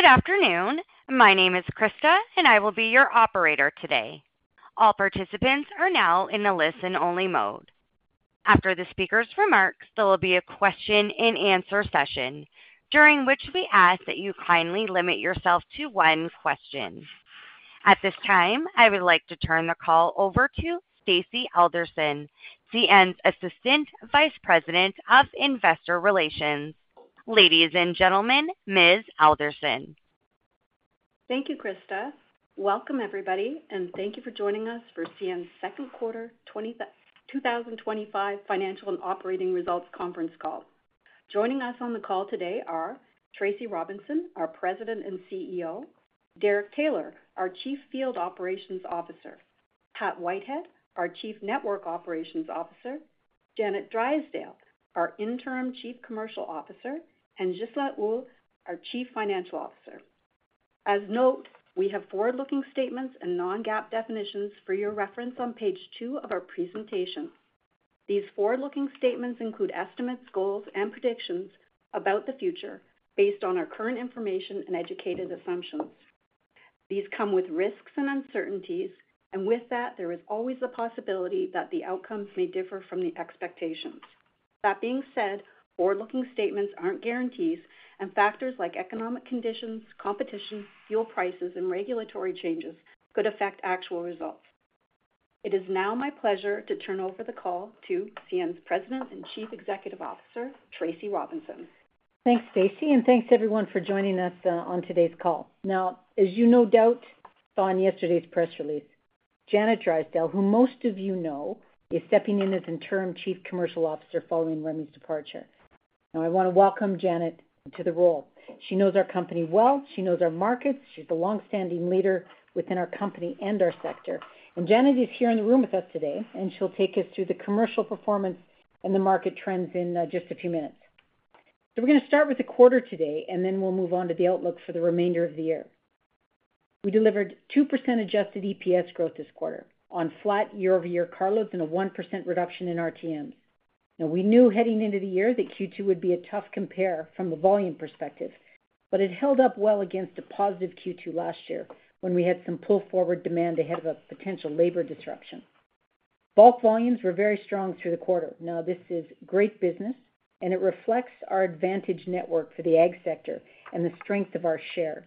Good afternoon. My name is Krista, and I will be your operator today. All participants are now in the listen-only mode. After the speaker's remarks, there will be a question-and-answer session, during which we ask that you kindly limit yourself to one question. At this time, I would like to turn the call over to Stacy Alderson, CN's Assistant Vice President of Investor Relations. Ladies and gentlemen, Ms. Alderson. Thank you, Krista. Welcome, everybody, and thank you for joining us for CN's Second Quarter 2025 Financial and Operating Results Conference Call. Joining us on the call today are Tracy Robinson, our President and CEO; Derek Taylor, our Chief Field Operations Officer; Pat Whitehead, our Chief Network Operations Officer; Janet Drysdale, our Interim Chief Commercial Officer; and Ghislain Houle, our Chief Financial Officer. As a note, we have forward-looking statements and non-GAAP definitions for your reference on page two of our presentation. These forward-looking statements include estimates, goals, and predictions about the future based on our current information and educated assumptions. These come with risks and uncertainties, and with that, there is always the possibility that the outcomes may differ from the expectations. That being said, forward-looking statements are not guarantees, and factors like economic conditions, competition, fuel prices, and regulatory changes could affect actual results. It is now my pleasure to turn over the call to CN's President and Chief Executive Officer, Tracy Robinson. Thanks, Stacy, and thanks, everyone, for joining us on today's call. Now, as you no doubt saw in yesterday's press release, Janet Drysdale, who most of you know, is stepping in as Interim Chief Commercial Officer following Remi's departure. Now, I want to welcome Janet to the role. She knows our company well. She knows our markets. She's a longstanding leader within our company and our sector. Janet is here in the room with us today, and she'll take us through the commercial performance and the market trends in just a few minutes. We are going to start with the quarter today, and then we will move on to the outlook for the remainder of the year. We delivered 2% adjusted EPS growth this quarter on flat year-over-year carloads and a 1% reduction in RTMs. Now, we knew heading into the year that Q2 would be a tough compare from a volume perspective, but it held up well against a positive Q2 last year when we had some pull-forward demand ahead of a potential labor disruption. Bulk volumes were very strong through the quarter. This is great business, and it reflects our advantage network for the ag sector and the strength of our share.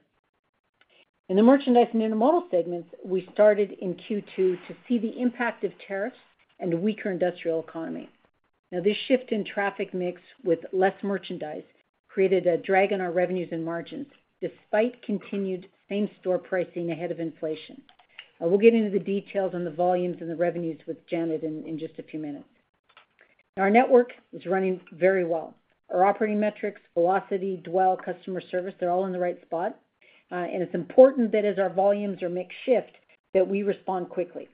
In the merchandise and intermodal segments, we started in Q2 to see the impact of tariffs and a weaker industrial economy. This shift in traffic mix with less merchandise created a drag on our revenues and margins despite continued same-store pricing ahead of inflation. We will get into the details on the volumes and the revenues with Janet in just a few minutes. Our network is running very well. Our operating metrics, velocity, dwell, customer service, they are all in the right spot. It is important that as our volumes or mix shift, that we respond quickly.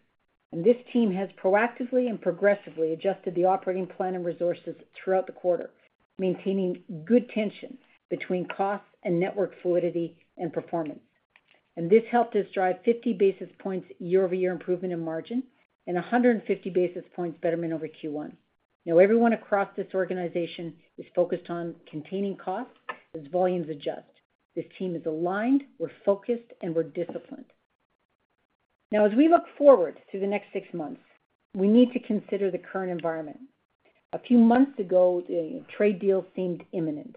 This team has proactively and progressively adjusted the operating plan and resources throughout the quarter, maintaining good tension between costs and network fluidity and performance. This helped us drive 50 basis points year-over-year improvement in margin and 150 basis points betterment over Q1. Everyone across this organization is focused on containing costs as volumes adjust. This team is aligned. We are focused, and we are disciplined. As we look forward through the next six months, we need to consider the current environment. A few months ago, trade deals seemed imminent.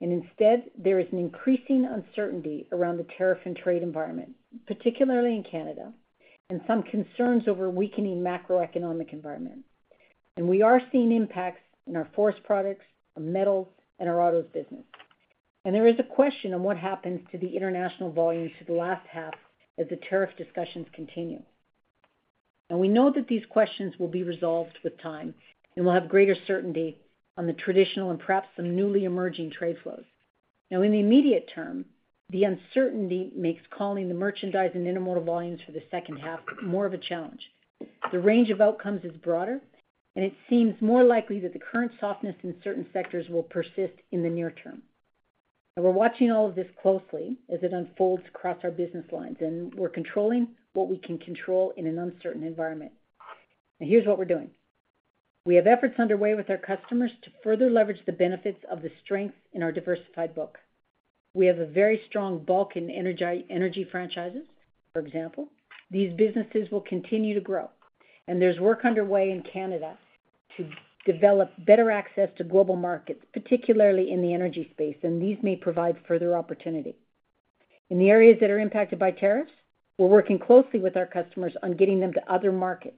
Instead, there is an increasing uncertainty around the tariff and trade environment, particularly in Canada, and some concerns over a weakening macroeconomic environment. We are seeing impacts in our forest products, our metals, and our autos business. There is a question on what happens to the international volumes for the last half as the tariff discussions continue. We know that these questions will be resolved with time, and we will have greater certainty on the traditional and perhaps some newly emerging trade flows. In the immediate term, the uncertainty makes calling the merchandise and intermodal volumes for the second half more of a challenge. The range of outcomes is broader, and it seems more likely that the current softness in certain sectors will persist in the near term. We are watching all of this closely as it unfolds across our business lines, and we are controlling what we can control in an uncertain environment. Here is what we are doing. We have efforts underway with our customers to further leverage the benefits of the strength in our diversified book. We have a very strong bulk in energy franchises, for example. These businesses will continue to grow. There is work underway in Canada to develop better access to global markets, particularly in the energy space, and these may provide further opportunity. In the areas that are impacted by tariffs, we are working closely with our customers on getting them to other markets.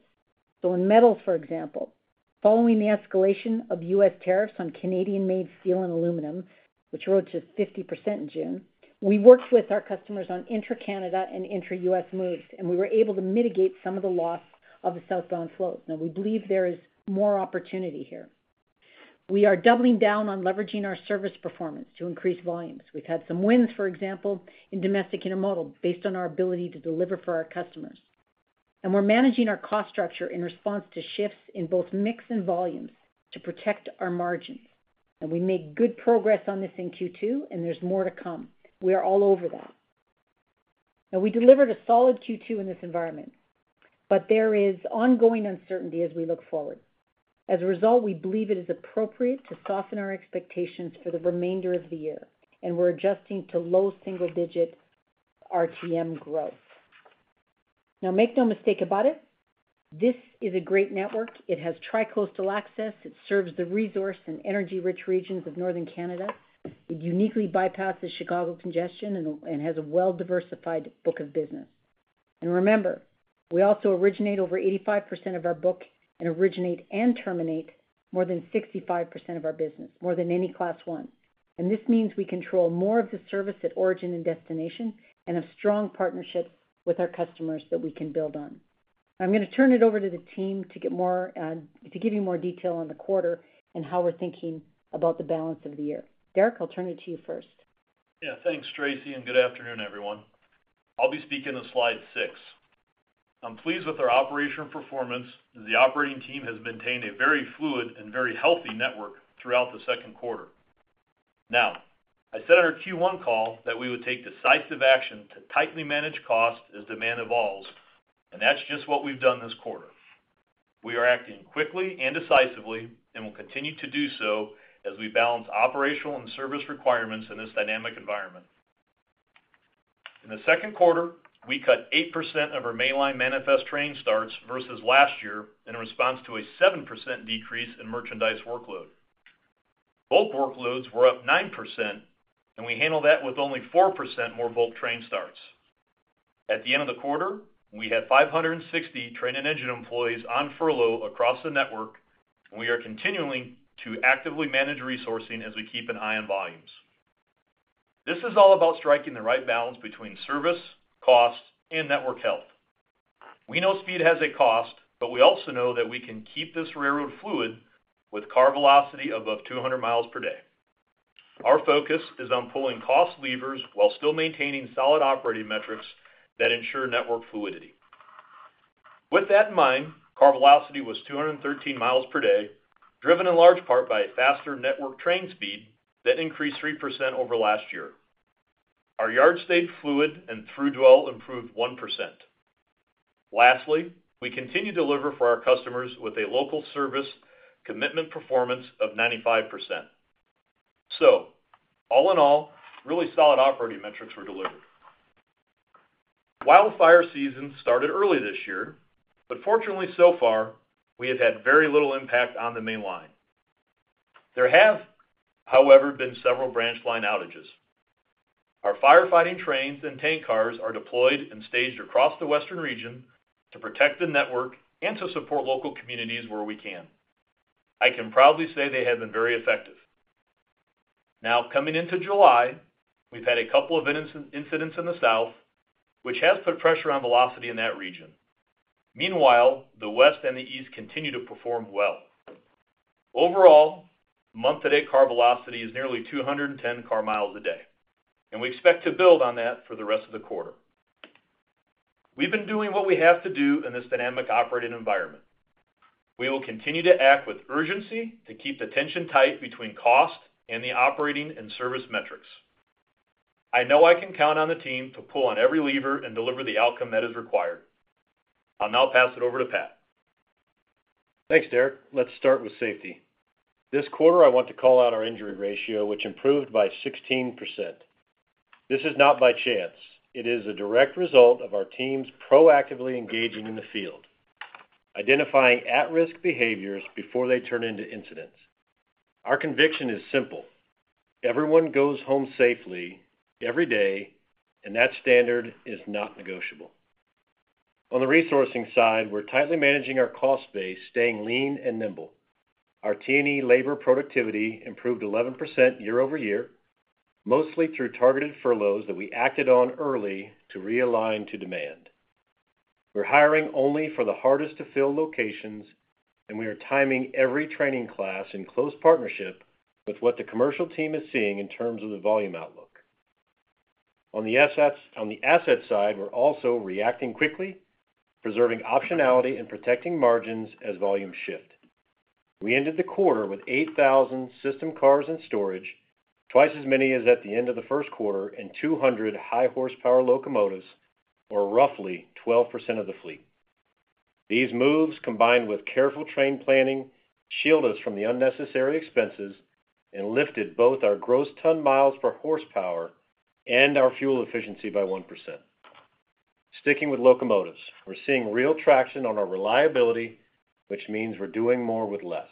In metals, for example, following the escalation of U.S. tariffs on Canadian-made steel and aluminum, which rose to 50% in June, we worked with our customers on intra-Canada and intra-U.S. moves, and we were able to mitigate some of the loss of the southbound flows. We believe there is more opportunity here. We are doubling down on leveraging our service performance to increase volumes. We have had some wins, for example, in domestic intermodal based on our ability to deliver for our customers. We are managing our cost structure in response to shifts in both mix and volumes to protect our margins. We made good progress on this in Q2, and there is more to come. We are all over that. We delivered a solid Q2 in this environment, but there is ongoing uncertainty as we look forward. As a result, we believe it is appropriate to soften our expectations for the remainder of the year, and we are adjusting to low single-digit RTMs growth. Make no mistake about it. This is a great network. It has tri-coastal access. It serves the resource and energy-rich regions of northern Canada. It uniquely bypasses Chicago congestion and has a well-diversified book of business. Remember, we also originate over 85% of our book and originate and terminate more than 65% of our business, more than any Class 1. This means we control more of the service at origin and destination and have strong partnerships with our customers that we can build on. I'm going to turn it over to the team to give you more detail on the quarter and how we're thinking about the balance of the year. Derek, I'll turn it to you first. Yeah, thanks, Tracy, and good afternoon, everyone. I'll be speaking at slide six. I'm pleased with our operational performance as the operating team has maintained a very fluid and very healthy network throughout the second quarter. Now, I said on our Q1 call that we would take decisive action to tightly manage costs as demand evolves, and that's just what we've done this quarter. We are acting quickly and decisively and will continue to do so as we balance operational and service requirements in this dynamic environment. In the second quarter, we cut 8% of our mainline manifest train starts versus last year in response to a 7% decrease in merchandise workload. Bulk workloads were up 9%, and we handled that with only 4% more bulk train starts. At the end of the quarter, we had 560 train and engine employees on furlough across the network, and we are continuing to actively manage resourcing as we keep an eye on volumes. This is all about striking the right balance between service, cost, and network health. We know speed has a cost, but we also know that we can keep this railroad fluid with car velocity above 200 mi per day. Our focus is on pulling cost levers while still maintaining solid operating metrics that ensure network fluidity. With that in mind, car velocity was 213 mi per day, driven in large part by a faster network train speed that increased 3% over last year. Our yard stayed fluid, and through dwell improved 1%. Lastly, we continue to deliver for our customers with a local service commitment performance of 95%. So all in all, really solid operating metrics were delivered. Wildfire season started early this year, but fortunately so far, we have had very little impact on the mainline. There have, however, been several branch line outages. Our firefighting trains and tank cars are deployed and staged across the western region to protect the network and to support local communities where we can. I can proudly say they have been very effective. Now, coming into July, we've had a couple of incidents in the south, which has put pressure on velocity in that region. Meanwhile, the west and the east continue to perform well. Overall, month-to-day car velocity is nearly 210 car mi a day, and we expect to build on that for the rest of the quarter. We've been doing what we have to do in this dynamic operating environment. We will continue to act with urgency to keep the tension tight between cost and the operating and service metrics. I know I can count on the team to pull on every lever and deliver the outcome that is required. I'll now pass it over to Pat. Thanks, Derek. Let's start with safety. This quarter, I want to call out our injury ratio, which improved by 16%. This is not by chance. It is a direct result of our team's proactively engaging in the field, identifying at-risk behaviors before they turn into incidents. Our conviction is simple. Everyone goes home safely every day, and that standard is not negotiable. On the resourcing side, we're tightly managing our cost base, staying lean and nimble. Our T&E labor productivity improved 11% year-over-year, mostly through targeted furloughs that we acted on early to realign to demand. We're hiring only for the hardest-to-fill locations, and we are timing every training class in close partnership with what the commercial team is seeing in terms of the volume outlook. On the asset side, we're also reacting quickly, preserving optionality and protecting margins as volumes shift. We ended the quarter with 8,000 system cars in storage, twice as many as at the end of the first quarter, and 200 high-horsepower locomotives, or roughly 12% of the fleet. These moves, combined with careful train planning, shield us from the unnecessary expenses and lifted both our gross ton miles per horsepower and our fuel efficiency by 1%. Sticking with locomotives, we're seeing real traction on our reliability, which means we're doing more with less.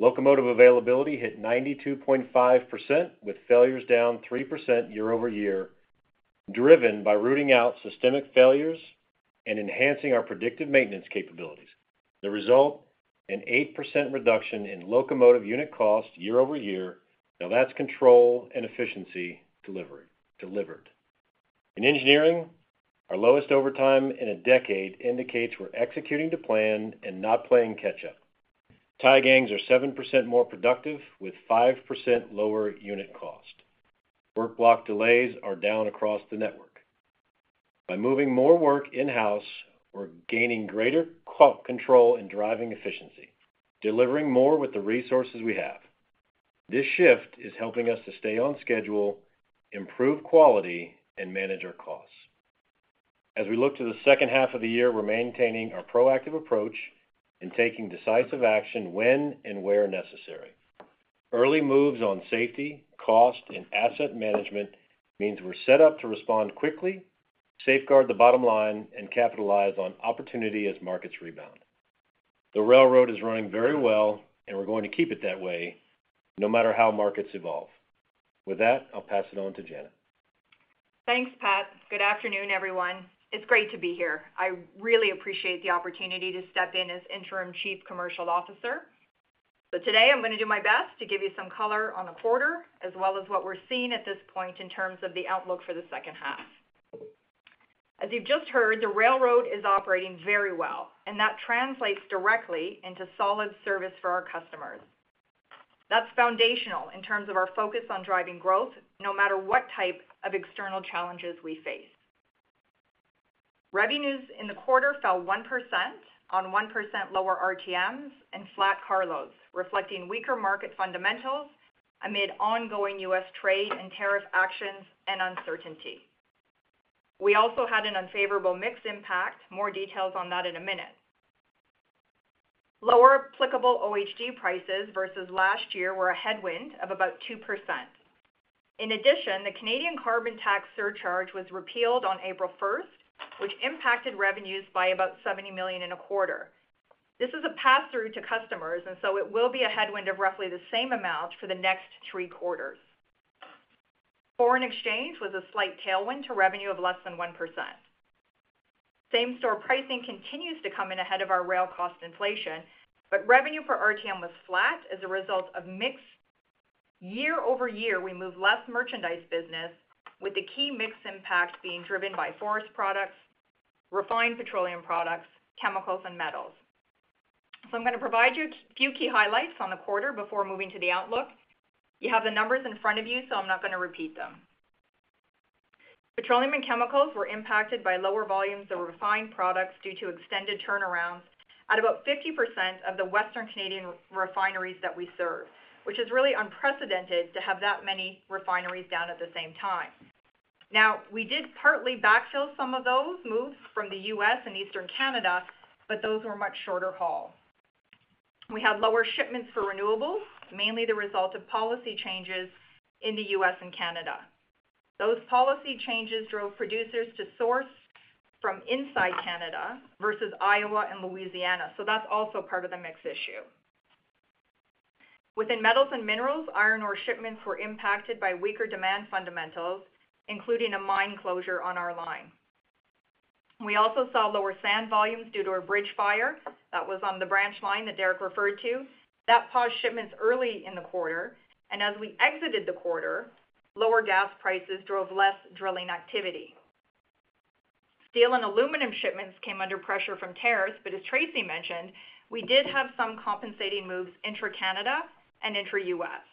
Locomotive availability hit 92.5%, with failures down 3% year-over-year, driven by rooting out systemic failures and enhancing our predictive maintenance capabilities. The result: an 8% reduction in locomotive unit cost year-over-year. Now, that's control and efficiency delivered. In engineering, our lowest overtime in a decade indicates we're executing to plan and not playing catch-up. Tie gangs are 7% more productive with 5% lower unit cost. Work block delays are down across the network. By moving more work in-house, we're gaining greater control in driving efficiency, delivering more with the resources we have. This shift is helping us to stay on schedule, improve quality, and manage our costs. As we look to the second half of the year, we're maintaining our proactive approach and taking decisive action when and where necessary. Early moves on safety, cost, and asset management means we're set up to respond quickly, safeguard the bottom line, and capitalize on opportunity as markets rebound. The railroad is running very well, and we're going to keep it that way no matter how markets evolve. With that, I'll pass it on to Janet. Thanks, Pat. Good afternoon, everyone. It's great to be here. I really appreciate the opportunity to step in as Interim Chief Commercial Officer. Today, I'm going to do my best to give you some color on the quarter as well as what we're seeing at this point in terms of the outlook for the second half. As you've just heard, the railroad is operating very well, and that translates directly into solid service for our customers. That's foundational in terms of our focus on driving growth no matter what type of external challenges we face. Revenues in the quarter fell 1% on 1% lower RTMs and flat car loads, reflecting weaker market fundamentals amid ongoing U.S. trade and tariff actions and uncertainty. We also had an unfavorable mix impact. More details on that in a minute. Lower applicable OHG prices versus last year were a headwind of about 2%. In addition, the Canadian carbon tax surcharge was repealed on April 1, which impacted revenues by about 70 million in a quarter. This is a pass-through to customers, and it will be a headwind of roughly the same amount for the next three quarters. Foreign exchange was a slight tailwind to revenue of less than 1%. Same-store pricing continues to come in ahead of our rail cost inflation, but revenue per RTMs was flat as a result of mix. Year-over-year, we moved less merchandise business, with the key mix impact being driven by forest products, refined petroleum products, chemicals, and metals. I'm going to provide you a few key highlights on the quarter before moving to the outlook. You have the numbers in front of you, so I'm not going to repeat them. Petroleum and chemicals were impacted by lower volumes of refined products due to extended turnarounds at about 50% of the western Canadian refineries that we serve, which is really unprecedented to have that many refineries down at the same time. We did partly backfill some of those moves from the U.S. and eastern Canada, but those were much shorter haul. We had lower shipments for renewables, mainly the result of policy changes in the U.S. and Canada. Those policy changes drove producers to source from inside Canada versus Iowa and Louisiana, so that's also part of the mix issue. Within metals and minerals, iron ore shipments were impacted by weaker demand fundamentals, including a mine closure on our line. We also saw lower sand volumes due to a bridge fire that was on the branch line that Derek referred to. That paused shipments early in the quarter, and as we exited the quarter, lower gas prices drove less drilling activity. Steel and aluminum shipments came under pressure from tariffs, but as Tracy mentioned, we did have some compensating moves intra-Canada and intra-U.S.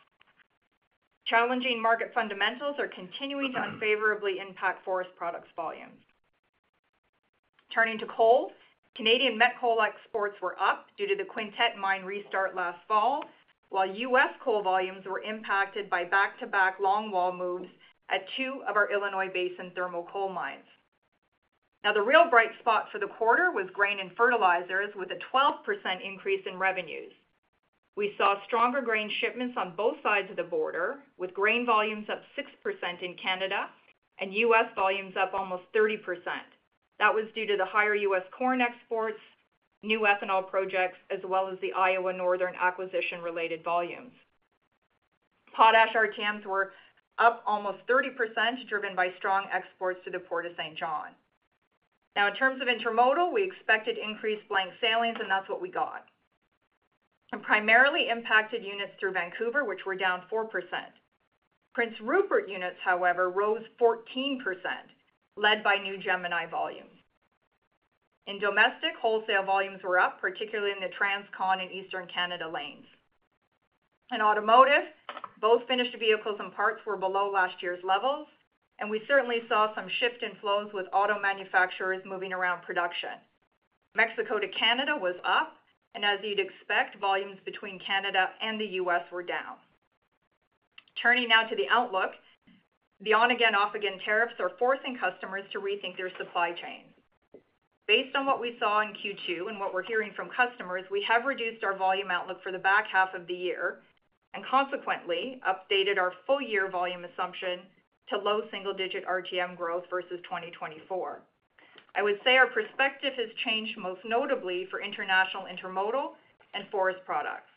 Challenging market fundamentals are continuing to unfavorably impact forest products volumes. Turning to coal, Canadian met coal exports were up due to the Quintette Coal Mine restart last fall, while U.S. coal volumes were impacted by back-to-back longwall moves at two of our Illinois Basin thermal coal mines. Now, the real bright spot for the quarter was grain and fertilizers with a 12% increase in revenues. We saw stronger grain shipments on both sides of the border, with grain volumes up 6% in Canada and U.S. volumes up almost 30%. That was due to the higher U.S. corn exports, new ethanol projects, as well as the Iowa Northern Railway acquisition-related volumes. Potash RTMs were up almost 30%, driven by strong exports to the Port of St. John. Now, in terms of intermodal, we expected increased blank sailings, and that is what we got. It primarily impacted units through Vancouver, which were down 4%. Prince Rupert units, however, rose 14%, led by new Gemini service volumes. In domestic, wholesale volumes were up, particularly in the Transcon and eastern Canada lanes. In automotive, both finished vehicles and parts were below last year's levels, and we certainly saw some shift in flows with auto manufacturers moving around production. Mexico to Canada was up, and as you would expect, volumes between Canada and the U.S. were down. Turning now to the outlook, the on-again, off-again tariffs are forcing customers to rethink their supply chains. Based on what we saw in Q2 and what we are hearing from customers, we have reduced our volume outlook for the back half of the year and consequently updated our full-year volume assumption to low single-digit RTMs growth versus 2024. I would say our perspective has changed most notably for international intermodal and forest products.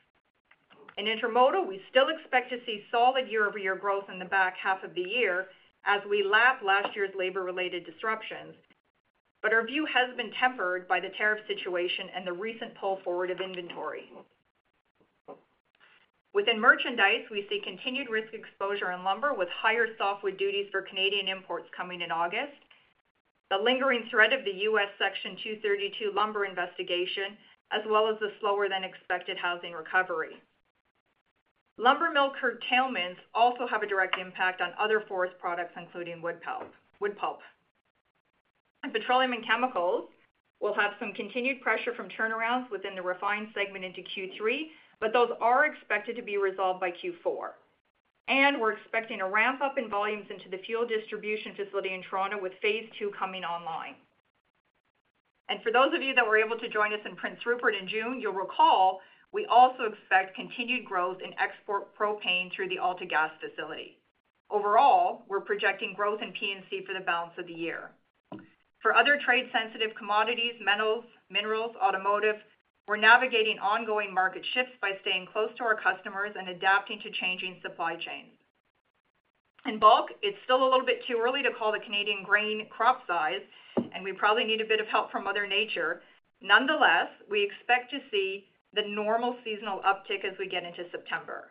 In intermodal, we still expect to see solid year-over-year growth in the back half of the year as we lap last year's labor-related disruptions, but our view has been tempered by the tariff situation and the recent pull forward of inventory. Within merchandise, we see continued risk exposure in lumber with higher softwood duties for Canadian imports coming in August. The lingering threat of the U.S. Section 232 lumber investigation, as well as the slower-than-expected housing recovery. Lumber mill curtailments also have a direct impact on other forest products, including wood pulp. Petroleum and chemicals will have some continued pressure from turnarounds within the refined segment into Q3, but those are expected to be resolved by Q4. We are expecting a ramp-up in volumes into the fuel distribution facility in Toronto, with phase two coming online. For those of you that were able to join us in Prince Rupert in June, you will recall we also expect continued growth in export propane through the AltaGas Ltd. facility. Overall, we are projecting growth in P&C for the balance of the year. For other trade-sensitive commodities, metals, minerals, and automotive, we are navigating ongoing market shifts by staying close to our customers and adapting to changing supply chains. In bulk, it's still a little bit too early to call the Canadian grain crop size, and we probably need a bit of help from Mother Nature. Nonetheless, we expect to see the normal seasonal uptick as we get into September.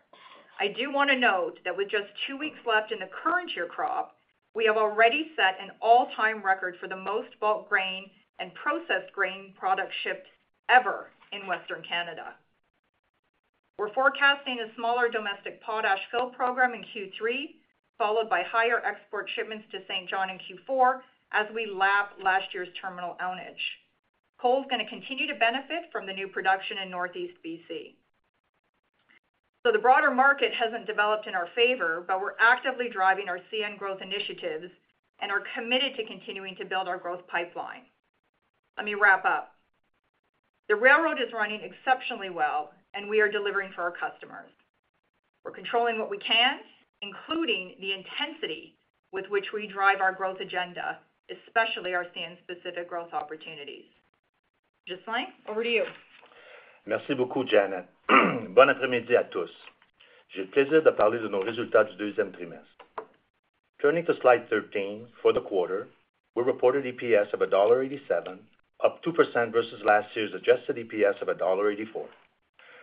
I do want to note that with just two weeks left in the current year crop, we have already set an all-time record for the most bulk grain and processed grain product shipped ever in western Canada. We're forecasting a smaller domestic potash fill program in Q3, followed by higher export shipments to St. John in Q4 as we lap last year's terminal outage. Coal is going to continue to benefit from the new production in northeast BC. The broader market hasn't developed in our favor, but we're actively driving our CN growth initiatives and are committed to continuing to build our growth pipeline. Let me wrap up. The railroad is running exceptionally well, and we are delivering for our customers. We're controlling what we can, including the intensity with which we drive our growth agenda, especially our CN-specific growth opportunities. Ghislain, over to you. Merci beaucoup, Janet. Bon après-midi à tous. J'ai le plaisir de parler de nos résultats du deuxième trimestre. Turning to slide 13 for the quarter, we reported EPS of $1.87, up 2% versus last year's adjusted EPS of $1.84.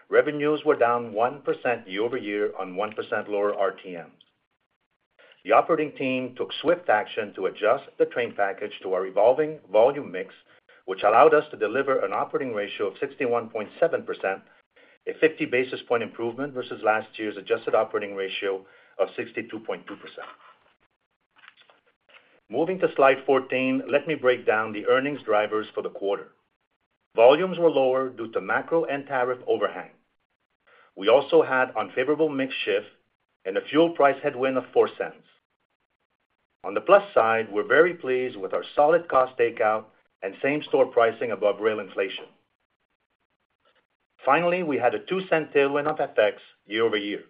Revenues were down 1% year-over-year on 1% lower RTMs. The operating team took swift action to adjust the train package to our evolving volume mix, which allowed us to deliver an operating ratio of 61.7%, a 50 basis point improvement versus last year's adjusted operating ratio of 62.2%. Moving to slide 14, let me break down the earnings drivers for the quarter. Volumes were lower due to macro and tariff overhang. We also had unfavorable mix shift and a fuel price headwind of $0.04. On the plus side, we're very pleased with our solid cost takeout and same-store pricing above rail inflation. Finally, we had a $0.02 tailwind on FX year-over-year.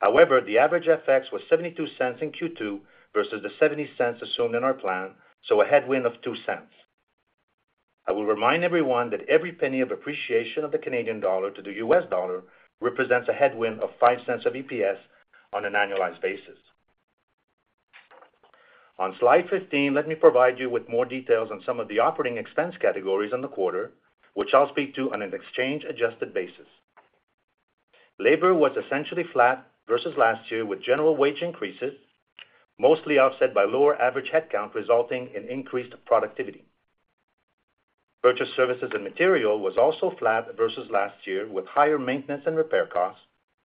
However, the average FX was $0.72 in Q2 versus the $0.70 assumed in our plan, so a headwind of $0.02. I will remind everyone that every penny of appreciation of the Canadian dollar to the US dollar represents a headwind of $0.05 of EPS on an annualized basis. On slide 15, let me provide you with more details on some of the operating expense categories in the quarter, which I'll speak to on an exchange-adjusted basis. Labor was essentially flat versus last year with general wage increases, mostly offset by lower average headcount resulting in increased productivity. Purchase services and material was also flat versus last year with higher maintenance and repair costs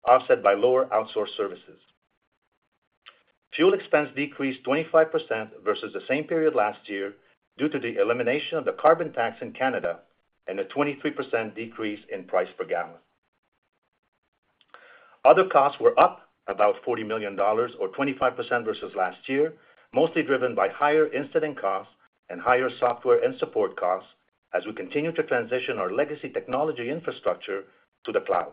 offset by lower outsourced services. Fuel expense decreased 25% versus the same period last year due to the elimination of the carbon tax in Canada and a 23% decrease in price per gallon. Other costs were up about 40 million dollars, or 25% versus last year, mostly driven by higher incident costs and higher software and support costs as we continue to transition our legacy technology infrastructure to the cloud.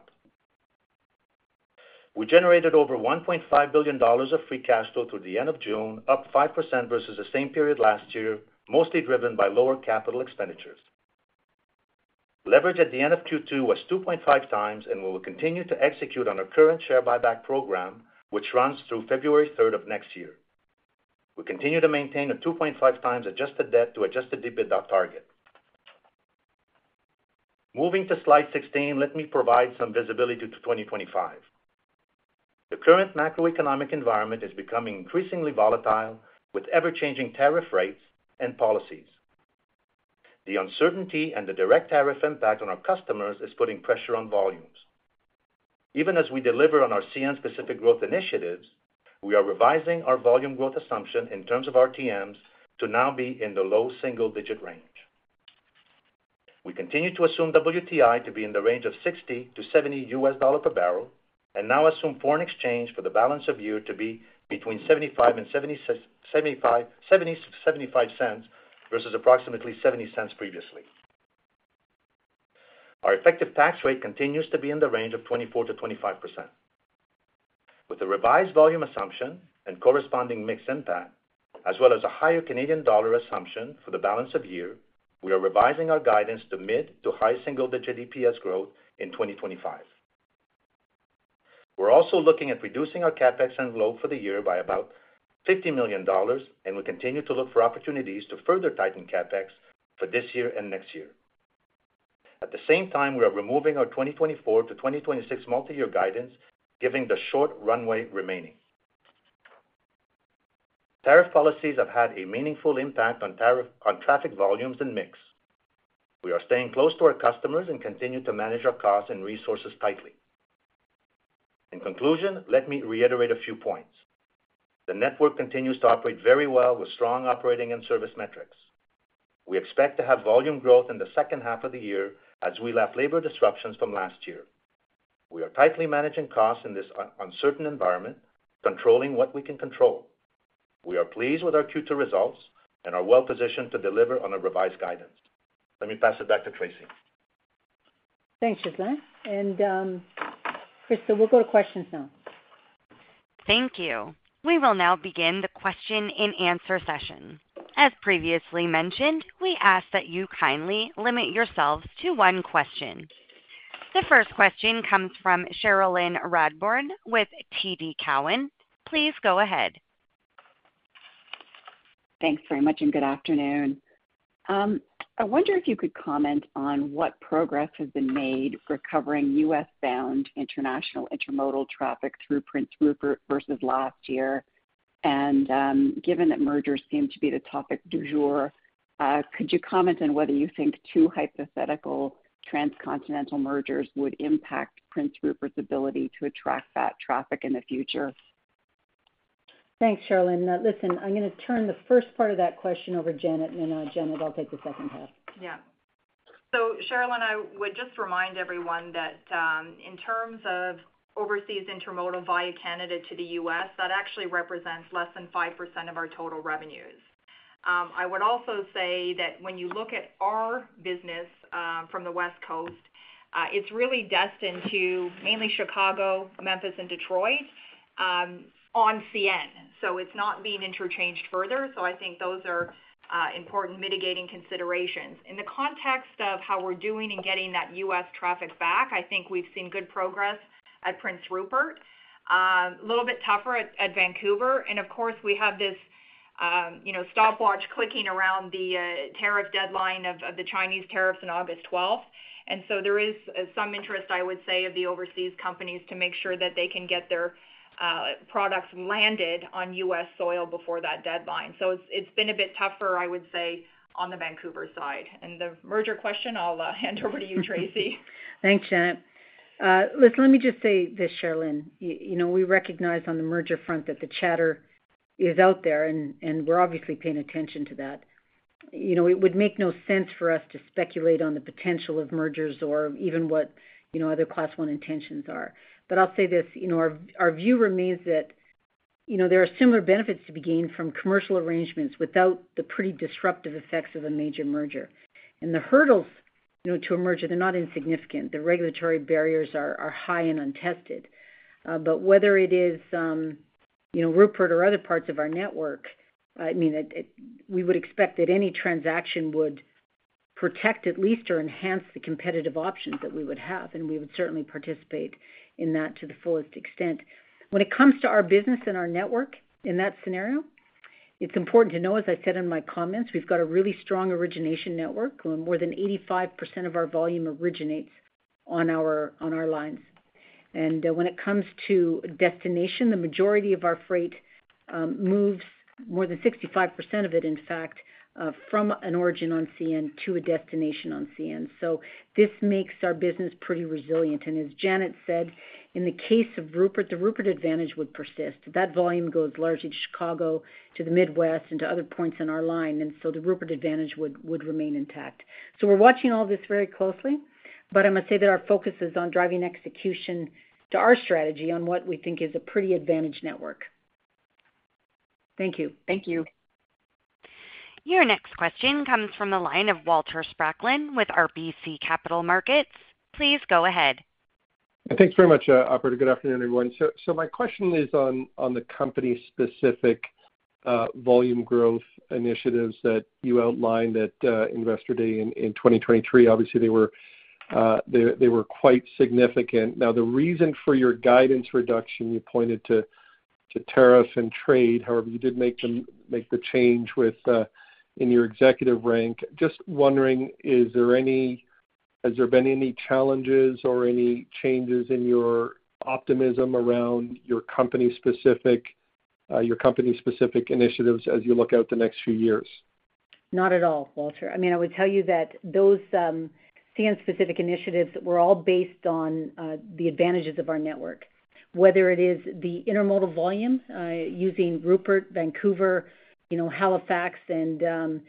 We generated over 1.5 billion dollars of free cash flow through the end of June, up 5% versus the same period last year, mostly driven by lower capital expenditures. Leverage at the end of Q2 was 2.5 times, and we will continue to execute on our current share buyback program, which runs through February 3 of next year. We continue to maintain a 2.5 times adjusted debt to adjusted debit target. Moving to slide 16, let me provide some visibility to 2025. The current macroeconomic environment is becoming increasingly volatile with ever-changing tariff rates and policies. The uncertainty and the direct tariff impact on our customers is putting pressure on volumes. Even as we deliver on our CN-specific growth initiatives, we are revising our volume growth assumption in terms of RTMs to now be in the low single-digit range. We continue to assume WTI to be in the range of $60-$70 per barrel and now assume foreign exchange for the balance of year to be between $0.75 and $0.7575 versus approximately $0.70 previously. Our effective tax rate continues to be in the range of 24%-25%. With the revised volume assumption and corresponding mix impact, as well as a higher Canadian dollar assumption for the balance of year, we are revising our guidance to mid to high single-digit EPS growth in 2025. We're also looking at reducing our CapEx envelope for the year by about 50 million dollars, and we continue to look for opportunities to further tighten CapEx for this year and next year. At the same time, we are removing our 2024 to 2026 multi-year guidance, given the short runway remaining. Tariff policies have had a meaningful impact on traffic volumes and mix. We are staying close to our customers and continue to manage our costs and resources tightly. In conclusion, let me reiterate a few points. The network continues to operate very well with strong operating and service metrics. We expect to have volume growth in the second half of the year as we lap labor disruptions from last year. We are tightly managing costs in this uncertain environment, controlling what we can control. We are pleased with our Q2 results and are well-positioned to deliver on our revised guidance. Let me pass it back to Tracy. Thanks, Ghislain. Krista, we'll go to questions now. Thank you. We will now begin the question-and-answer session. As previously mentioned, we ask that you kindly limit yourselves to one question. The first question comes from Cherilyn Radbourne with TD Cowen. Please go ahead. Thanks very much and good afternoon. I wonder if you could comment on what progress has been made recovering U.S.-bound international intermodal traffic through Prince Rupert versus last year. Given that mergers seem to be the topic du jour, could you comment on whether you think two hypothetical transcontinental mergers would impact Prince Rupert's ability to attract that traffic in the future? Thanks, Cherilyn. Now, listen, I'm going to turn the first part of that question over to Janet. And Janet, I'll take the second half. Yeah. So, Cherilyn, I would just remind everyone that in terms of overseas intermodal via Canada to the U.S., that actually represents less than 5% of our total revenues. I would also say that when you look at our business from the West Coast, it is really destined to mainly Chicago, Memphis, and Detroit on CN. It is not being interchanged further. I think those are important mitigating considerations. In the context of how we are doing and getting that U.S. traffic back, I think we have seen good progress at Prince Rupert. A little bit tougher at Vancouver. Of course, we have this stopwatch clicking around the tariff deadline of the Chinese tariffs on August 12th. There is some interest, I would say, of the overseas companies to make sure that they can get their products landed on U.S. soil before that deadline. It has been a bit tougher, I would say, on the Vancouver side. The merger question, I will hand over to you, Tracy. Thanks, Janet. Listen, let me just say this, Cherilyn. We recognize on the merger front that the chatter is out there, and we're obviously paying attention to that. It would make no sense for us to speculate on the potential of mergers or even what other Class I intentions are. I'll say this: our view remains that there are similar benefits to be gained from commercial arrangements without the pretty disruptive effects of a major merger. The hurdles to a merger, they're not insignificant. The regulatory barriers are high and untested. Whether it is Rupert or other parts of our network, I mean, we would expect that any transaction would protect at least or enhance the competitive options that we would have. We would certainly participate in that to the fullest extent. When it comes to our business and our network in that scenario, it's important to know, as I said in my comments, we've got a really strong origination network. More than 85% of our volume originates on our lines. When it comes to destination, the majority of our freight moves, more than 65% of it, in fact, from an origin on CN to a destination on CN. This makes our business pretty resilient. As Janet said, in the case of Rupert, the Rupert advantage would persist. That volume goes largely to Chicago, to the Midwest, and to other points on our line. The Rupert advantage would remain intact. We're watching all this very closely, but I must say that our focus is on driving execution to our strategy on what we think is a pretty advantaged network. Thank you. Thank you. Your next question comes from the line of Walter Spracklin with RBC Capital Markets. Please go ahead. Thanks very much, Operator. Good afternoon, everyone. My question is on the company-specific volume growth initiatives that you outlined at Investor Day in 2023. Obviously, they were quite significant. The reason for your guidance reduction, you pointed to tariff and trade. However, you did make the change in your executive rank. Just wondering, has there been any challenges or any changes in your optimism around your company-specific initiatives as you look out the next few years? Not at all, Walter. I mean, I would tell you that those CN-specific initiatives were all based on the advantages of our network, whether it is the intermodal volume using Rupert, Vancouver, Halifax, and a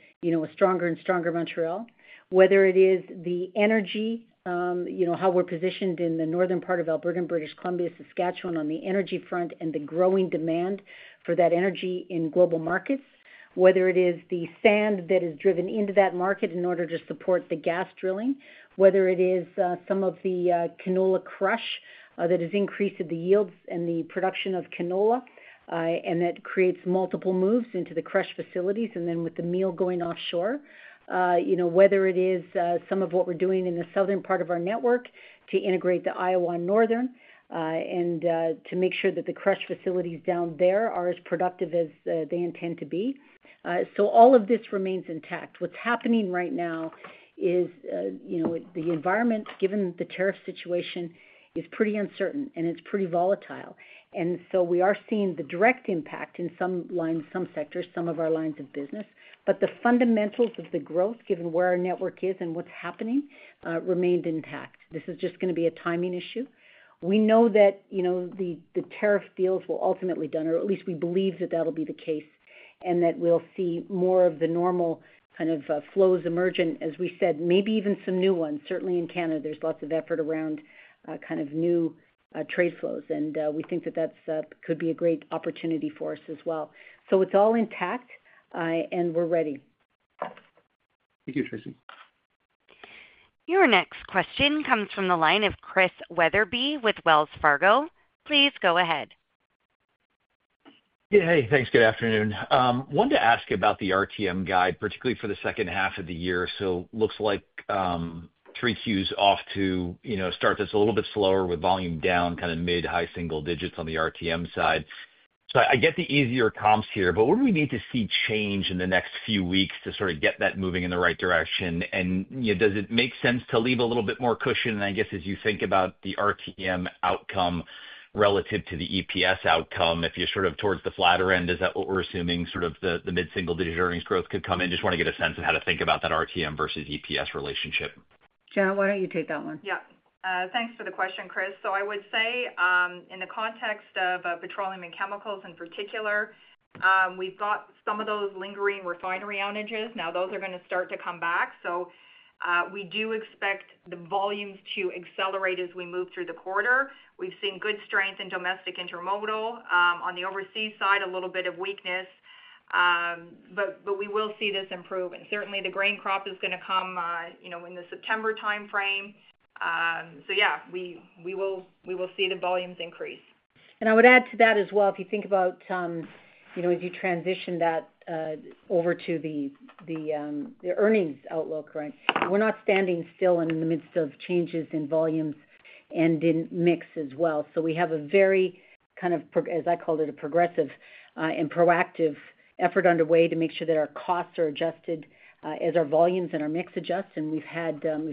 stronger and stronger Montreal, whether it is the energy, how we're positioned in the northern part of Alberta, British Columbia, Saskatchewan on the energy front, and the growing demand for that energy in global markets, whether it is the sand that is driven into that market in order to support the gas drilling, whether it is some of the canola crush that has increased the yields and the production of canola, and that creates multiple moves into the crush facilities, and then with the meal going offshore. Whether it is some of what we're doing in the southern part of our network to integrate the Iowa Northern and to make sure that the crush facilities down there are as productive as they intend to be. All of this remains intact. What's happening right now is the environment, given the tariff situation, is pretty uncertain, and it's pretty volatile. We are seeing the direct impact in some lines, some sectors, some of our lines of business. The fundamentals of the growth, given where our network is and what's happening, remained intact. This is just going to be a timing issue. We know that the tariff deals will ultimately be done, or at least we believe that that'll be the case, and that we'll see more of the normal kind of flows emerging, as we said, maybe even some new ones. Certainly in Canada, there's lots of effort around kind of new trade flows. We think that that could be a great opportunity for us as well. It's all intact, and we're ready. Thank you, Tracy. Your next question comes from the line of Chris Wetherbee with Wells Fargo. Please go ahead. Hey, thanks. Good afternoon. I wanted to ask about the RTMs guide, particularly for the second half of the year. It looks like Q3 is off to start this a little bit slower with volume down, kind of mid-high single digits on the RTMs side. I get the easier comps here, but what do we need to see change in the next few weeks to sort of get that moving in the right direction? Does it make sense to leave a little bit more cushion? I guess as you think about the RTMs outcome relative to the EPS outcome, if you're sort of towards the flatter end, is that what we're assuming sort of the mid-single digit earnings growth could come in? Just want to get a sense of how to think about that RTMs versus EPS relationship. Janet, why don't you take that one? Yeah. Thanks for the question, Chris. I would say in the context of petroleum and chemicals in particular, we've got some of those lingering refinery outages. Now, those are going to start to come back. We do expect the volumes to accelerate as we move through the quarter. We've seen good strength in domestic intermodal. On the overseas side, a little bit of weakness. We will see this improve. Certainly, the grain crop is going to come in the September time frame. Yeah, we will see the volumes increase. I would add to that as well, if you think about, as you transition that over to the earnings outlook, right? We're not standing still in the midst of changes in volumes and in mix as well. We have a very kind of, as I called it, a progressive and proactive effort underway to make sure that our costs are adjusted as our volumes and our mix adjust. We've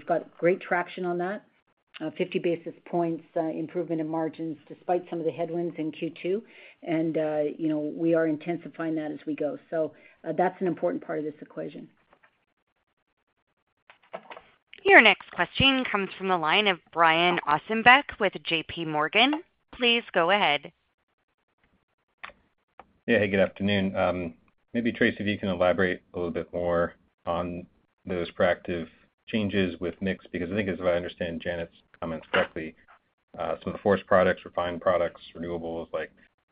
got great traction on that. 50 basis points improvement in margins despite some of the headwinds in Q2. We are intensifying that as we go. That's an important part of this equation. Your next question comes from the line of Brian Ossenbeck with J.P. Morgan. Please go ahead. Yeah, hey, good afternoon. Maybe, Tracy, if you can elaborate a little bit more on those proactive changes with mix, because I think, as I understand Janet's comments correctly, some of the forced products, refined products, renewables,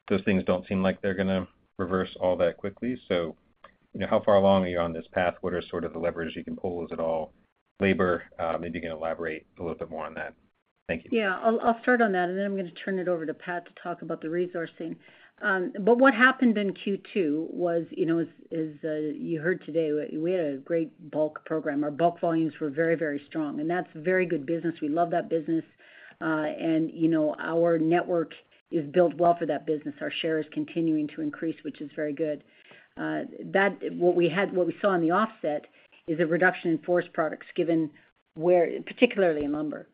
those things do not seem like they are going to reverse all that quickly. How far along are you on this path? What are sort of the leverage you can pull? Is it all labor? Maybe you can elaborate a little bit more on that. Thank you. Yeah, I'll start on that. Then I'm going to turn it over to Pat to talk about the resourcing. What happened in Q2 was, as you heard today, we had a great bulk program. Our bulk volumes were very, very strong. That's very good business. We love that business. Our network is built well for that business. Our share is continuing to increase, which is very good. What we saw in the offset is a reduction in forest products, given particularly in lumber.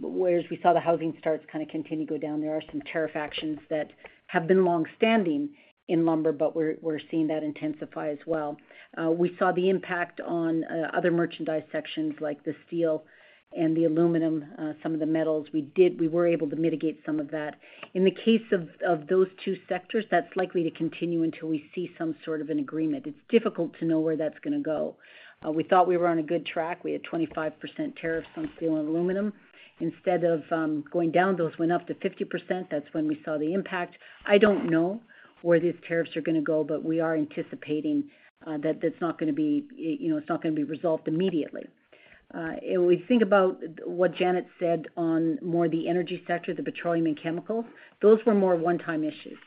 Whereas we saw the housing starts kind of continue to go down. There are some tariff actions that have been longstanding in lumber, but we're seeing that intensify as well. We saw the impact on other merchandise sections like the steel and the aluminum, some of the metals. We were able to mitigate some of that. In the case of those two sectors, that's likely to continue until we see some sort of an agreement. It's difficult to know where that's going to go. We thought we were on a good track. We had 25% tariffs on steel and aluminum. Instead of going down, those went up to 50%. That's when we saw the impact. I don't know where these tariffs are going to go, but we are anticipating that it's not going to be resolved immediately. If we think about what Janet said on more the energy sector, the petroleum and chemicals, those were more one-time issues.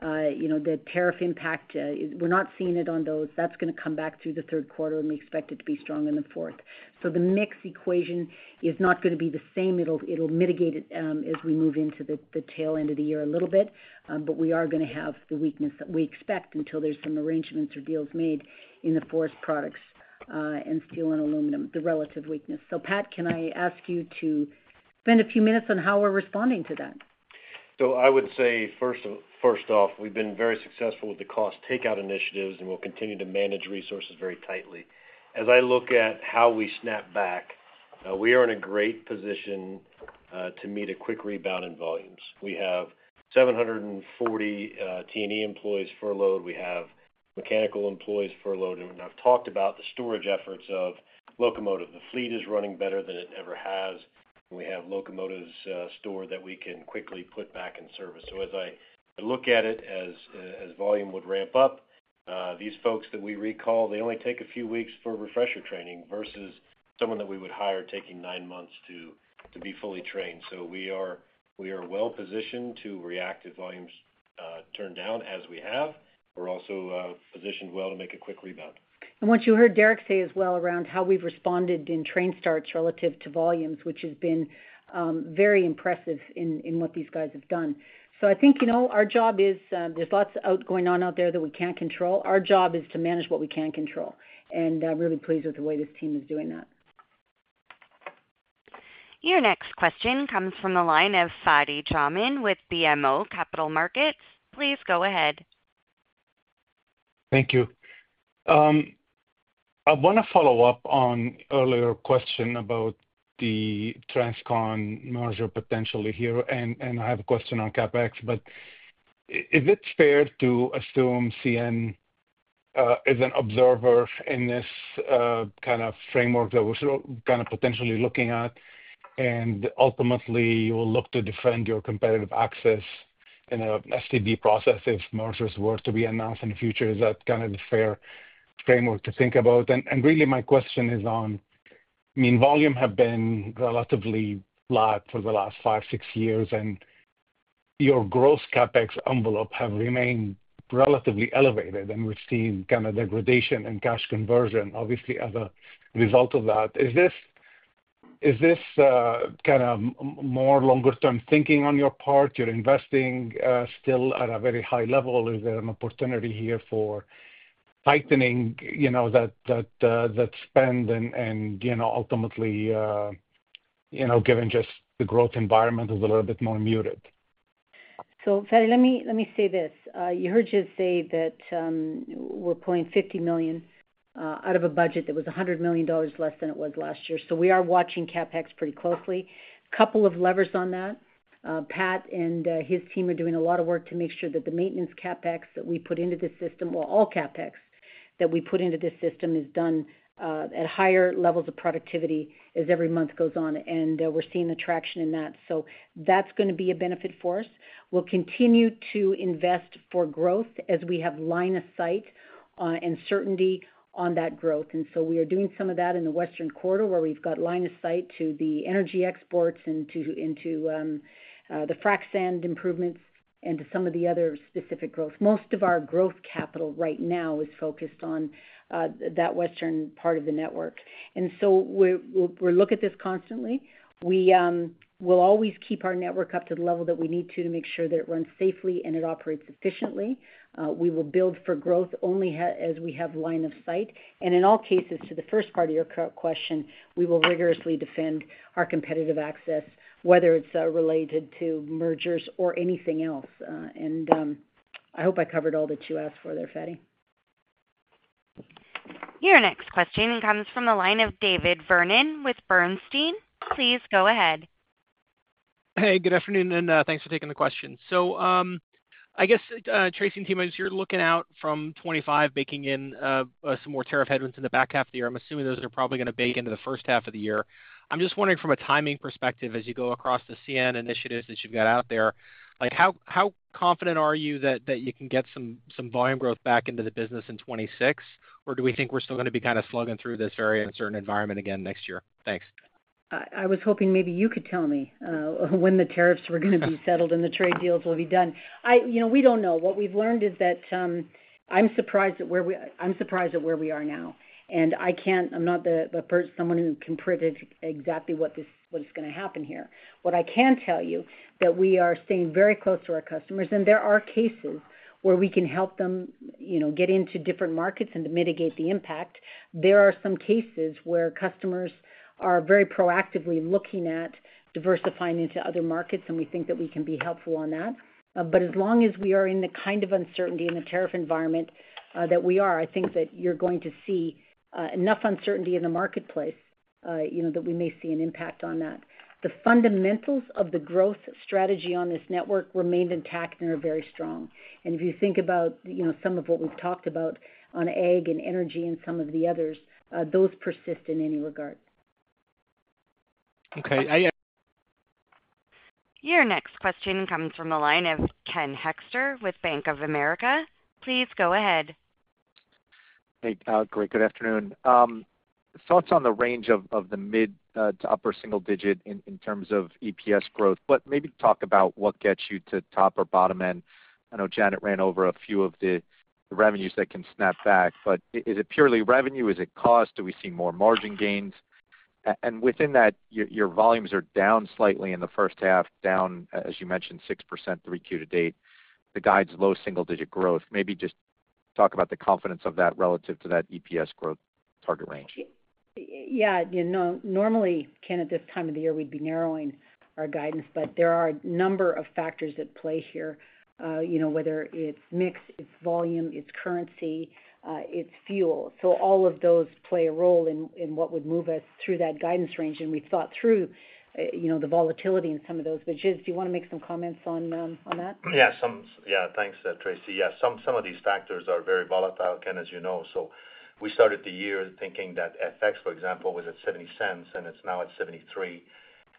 The tariff impact, we're not seeing it on those. That's going to come back through the third quarter, and we expect it to be strong in the fourth. The mix equation is not going to be the same. It'll mitigate as we move into the tail end of the year a little bit. We are going to have the weakness that we expect until there's some arrangements or deals made in the forest products and steel and aluminum, the relative weakness. Pat, can I ask you to spend a few minutes on how we're responding to that? I would say, first off, we've been very successful with the cost takeout initiatives, and we'll continue to manage resources very tightly. As I look at how we snap back, we are in a great position to meet a quick rebound in volumes. We have 740 T&E employees furloughed. We have mechanical employees furloughed. I've talked about the storage efforts of locomotives. The fleet is running better than it ever has, and we have locomotives stored that we can quickly put back in service. As I look at it, as volume would ramp up, these folks that we recall, they only take a few weeks for refresher training versus someone that we would hire taking nine months to be fully trained. We are well positioned to react if volumes turn down, as we have. We're also positioned well to make a quick rebound. What you heard Derek say as well around how we've responded in train starts relative to volumes, which has been very impressive in what these guys have done. I think our job is there's lots going on out there that we can't control. Our job is to manage what we can control. I'm really pleased with the way this team is doing that. Your next question comes from the line of Fadi Chamoun with BMO Capital Markets. Please go ahead. Thank you. I want to follow up on earlier question about the Transcon merger potentially here. I have a question on CapEx, but. Is it fair to assume CN is an observer in this kind of framework that we're kind of potentially looking at? Ultimately, you will look to defend your competitive access in an STB process if mergers were to be announced in the future. Is that kind of a fair framework to think about? Really, my question is on. I mean, volume has been relatively flat for the last five, six years, and your gross CapEx envelope has remained relatively elevated, and we've seen kind of degradation in cash conversion, obviously, as a result of that. Is this kind of more longer-term thinking on your part? You're investing still at a very high level. Is there an opportunity here for tightening that spend and ultimately, given just the growth environment is a little bit more muted? Fadi, let me say this. You heard Jill say that. We're pulling $50 million out of a budget that was $100 million less than it was last year. We are watching CapEx pretty closely. A couple of levers on that. Pat and his team are doing a lot of work to make sure that the maintenance CapEx that we put into this system, well, all CapEx that we put into this system is done at higher levels of productivity as every month goes on. We're seeing the traction in that. That's going to be a benefit for us. We'll continue to invest for growth as we have line of sight and certainty on that growth. We are doing some of that in the western quarter where we've got line of sight to the energy exports and to the frac sand improvements and to some of the other specific growth. Most of our growth capital right now is focused on that western part of the network. We'll look at this constantly. We will always keep our network up to the level that we need to to make sure that it runs safely and it operates efficiently. We will build for growth only as we have line of sight. In all cases, to the first part of your question, we will rigorously defend our competitive access, whether it's related to mergers or anything else. I hope I covered all that you asked for there, Fadi. Your next question comes from the line of David Vernon with Bernstein. Please go ahead. Hey, good afternoon, and thanks for taking the question. I guess, Tracy and Timo, as you're looking out from 2025, baking in some more tariff headwinds in the back half of the year, I'm assuming those are probably going to bake into the first half of the year. I'm just wondering, from a timing perspective, as you go across the CN initiatives that you've got out there, how confident are you that you can get some volume growth back into the business in 2026? Or do we think we're still going to be kind of slugging through this area in a certain environment again next year? Thanks. I was hoping maybe you could tell me when the tariffs were going to be settled and the trade deals will be done. We do not know. What we have learned is that I am surprised at where we are now. I am not someone who can predict exactly what is going to happen here. What I can tell you is that we are staying very close to our customers. There are cases where we can help them get into different markets and to mitigate the impact. There are some cases where customers are very proactively looking at diversifying into other markets, and we think that we can be helpful on that. As long as we are in the kind of uncertainty in the tariff environment that we are, I think that you are going to see enough uncertainty in the marketplace that we may see an impact on that. The fundamentals of the growth strategy on this network remain intact and are very strong. If you think about some of what we have talked about on ag and energy and some of the others, those persist in any regard. Okay. Your next question comes from the line of Ken Hoexter with BofA Securities. Please go ahead. Hey, great, good afternoon. Thoughts on the range of the mid to upper single digit in terms of EPS growth, but maybe talk about what gets you to top or bottom end. I know Janet ran over a few of the revenues that can snap back, but is it purely revenue? Is it cost? Do we see more margin gains? Within that, your volumes are down slightly in the first half, down, as you mentioned, 6% three Q to date. The guide's low single-digit growth. Maybe just talk about the confidence of that relative to that EPS growth target range. Yeah. Normally, Ken, at this time of the year, we'd be narrowing our guidance, but there are a number of factors at play here, whether it's mix, it's volume, it's currency, it's fuel. All of those play a role in what would move us through that guidance range. We thought through the volatility in some of those. Jill, do you want to make some comments on that? Yeah. Yeah. Thanks, Tracy. Yeah. Some of these factors are very volatile, Ken, as you know. We started the year thinking that FX, for example, was at $0.70, and it is now at $0.73.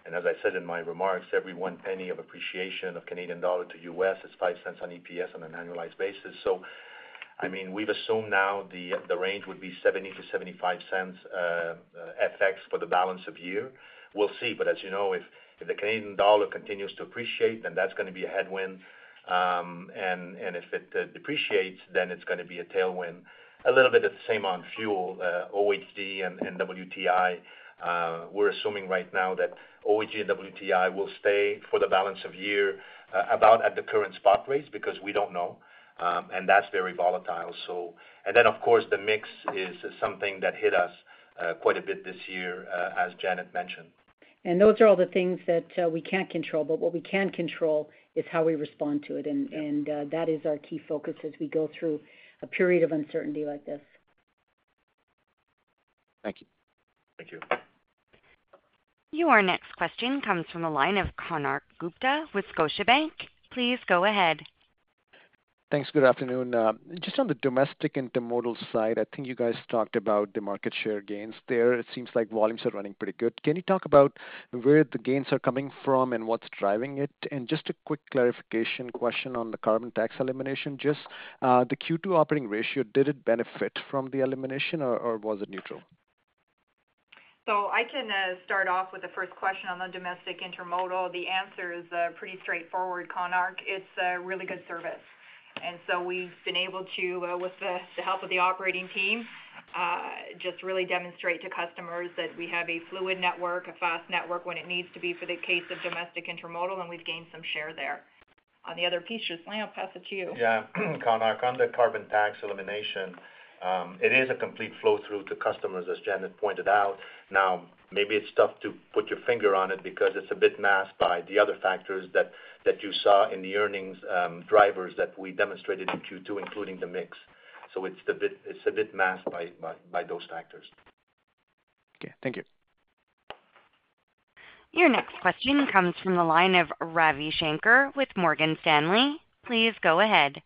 As I said in my remarks, every one penny of appreciation of Canadian dollar to US is $0.05 on EPS on an annualized basis. I mean, we have assumed now the range would be $0.70-$0.75 FX for the balance of year. We will see. As you know, if the Canadian dollar continues to appreciate, then that is going to be a headwind. If it depreciates, then it is going to be a tailwind. A little bit of the same on fuel, OHG and WTI. We are assuming right now that OHG and WTI will stay for the balance of year about at the current spot rates because we do not know. That is very volatile. Of course, the mix is something that hit us quite a bit this year, as Janet mentioned. Those are all the things that we can't control. What we can control is how we respond to it. That is our key focus as we go through a period of uncertainty like this. Thank you. Thank you. Your next question comes from the line of Konark Gupta with Scotiabank. Please go ahead. Thanks. Good afternoon. Just on the domestic and the intermodal side, I think you guys talked about the market share gains there. It seems like volumes are running pretty good. Can you talk about where the gains are coming from and what's driving it? Just a quick clarification question on the carbon tax elimination, Jill. The Q2 operating ratio, did it benefit from the elimination, or was it neutral? I can start off with the first question on the domestic intermodal. The answer is pretty straightforward, Konark. It's a really good service. We've been able to, with the help of the operating team, just really demonstrate to customers that we have a fluid network, a fast network when it needs to be for the case of domestic intermodal, and we've gained some share there. On the other piece, Jill, I'll pass it to you. Yeah. Konark, on the carbon tax elimination, it is a complete flow-through to customers, as Janet pointed out. Now, maybe it's tough to put your finger on it because it's a bit masked by the other factors that you saw in the earnings drivers that we demonstrated in Q2, including the mix. It is a bit masked by those factors. Okay. Thank you. Your next question comes from the line of Ravi Shanker with Morgan Stanley. Please go ahead.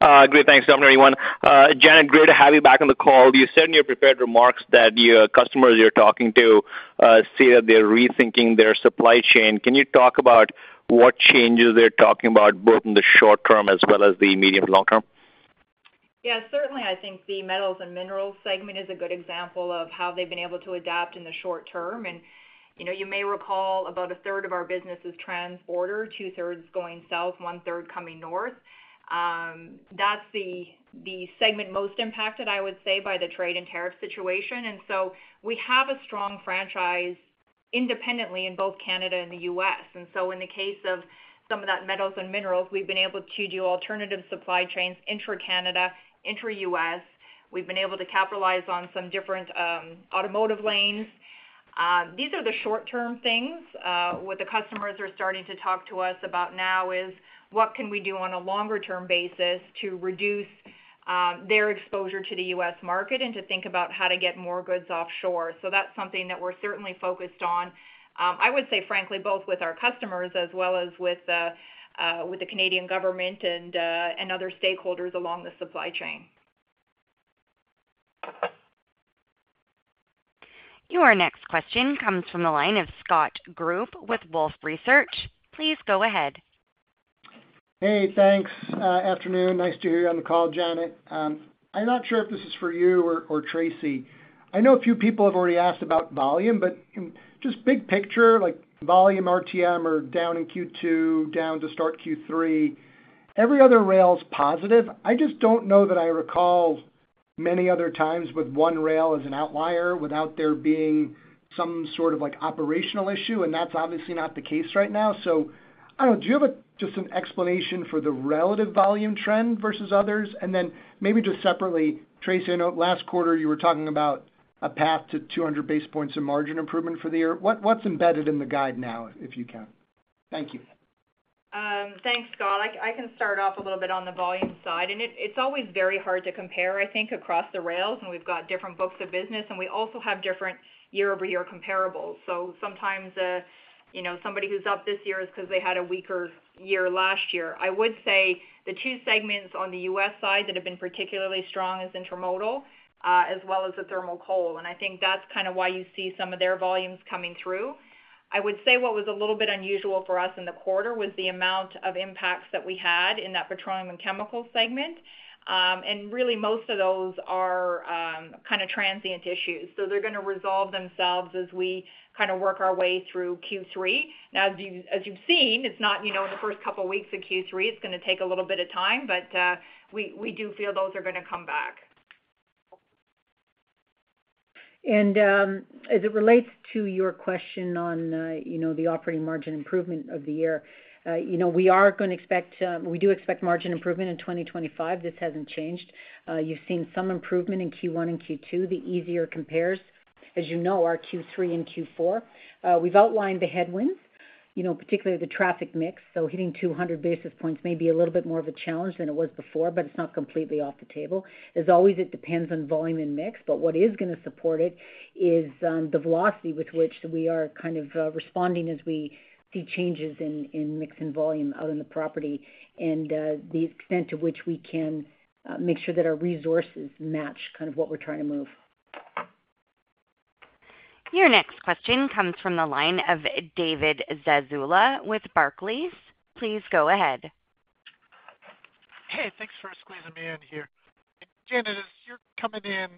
Great. Thanks, everyone. Janet, great to have you back on the call. You said in your prepared remarks that your customers you're talking to say that they're rethinking their supply chain. Can you talk about what changes they're talking about both in the short term as well as the medium to long term? Yeah. Certainly, I think the metals and minerals segment is a good example of how they've been able to adapt in the short term. You may recall about a third of our business is transborder, two-thirds going south, one-third coming north. That's the segment most impacted, I would say, by the trade and tariff situation. We have a strong franchise independently in both Canada and the U.S. In the case of some of that metals and minerals, we've been able to do alternative supply chains intra-Canada, intra-U.S. We've been able to capitalize on some different automotive lanes. These are the short-term things. What the customers are starting to talk to us about now is what can we do on a longer-term basis to reduce their exposure to the U.S. market and to think about how to get more goods offshore. That's something that we're certainly focused on. I would say, frankly, both with our customers as well as with the Canadian government and other stakeholders along the supply chain. Your next question comes from the line of Scott Group with Wolfe Research. Please go ahead. Hey, thanks. Afternoon. Nice to hear you on the call, Janet. I'm not sure if this is for you or Tracy. I know a few people have already asked about volume, but just big picture, like volume RTMs or down in Q2, down to start Q3. Every other rail is positive. I just don't know that I recall many other times with one rail as an outlier without there being some sort of operational issue. That's obviously not the case right now. I don't know. Do you have just an explanation for the relative volume trend versus others? Maybe just separately, Tracy, I know last quarter you were talking about a path to 200 basis points in margin improvement for the year. What's embedded in the guide now, if you can? Thank you. Thanks, Scott. I can start off a little bit on the volume side. It's always very hard to compare, I think, across the rails. We've got different books of business, and we also have different year-over-year comparables. Sometimes somebody who's up this year is because they had a weaker year last year. I would say the two segments on the U.S. side that have been particularly strong are intermodal as well as the thermal coal. I think that's kind of why you see some of their volumes coming through. I would say what was a little bit unusual for us in the quarter was the amount of impacts that we had in that petroleum and chemical segment. Really, most of those are kind of transient issues. They're going to resolve themselves as we kind of work our way through Q3. As you've seen, it's not in the first couple of weeks of Q3. It's going to take a little bit of time, but we do feel those are going to come back. As it relates to your question on the operating margin improvement of the year, we are going to expect, we do expect margin improvement in 2025. This has not changed. You have seen some improvement in Q1 and Q2. The easier compares, as you know, are Q3 and Q4. We have outlined the headwinds, particularly the traffic mix. Hitting 200 basis points may be a little bit more of a challenge than it was before, but it is not completely off the table. As always, it depends on volume and mix. What is going to support it is the velocity with which we are kind of responding as we see changes in mix and volume out in the property and the extent to which we can make sure that our resources match kind of what we are trying to move. Your next question comes from the line of David Zazula with Barclays. Please go ahead. Hey, thanks for squeezing me in here. Janet, as you're coming in